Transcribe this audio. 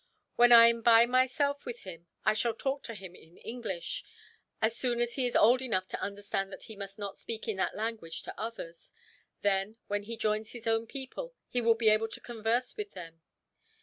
When I am by myself with him, I shall talk to him in English, as soon as he is old enough to understand that he must not speak in that language to others; then, when he joins his own people, he will be able to converse with them.